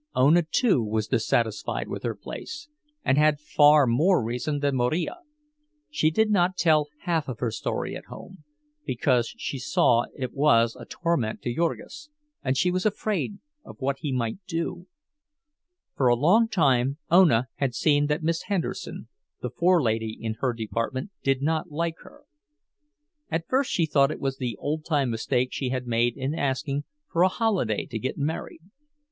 Ona, too, was dissatisfied with her place, and had far more reason than Marija. She did not tell half of her story at home, because she saw it was a torment to Jurgis, and she was afraid of what he might do. For a long time Ona had seen that Miss Henderson, the forelady in her department, did not like her. At first she thought it was the old time mistake she had made in asking for a holiday to get married.